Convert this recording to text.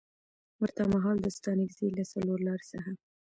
ورته مهال د ستانکزي له څلورلارې څخه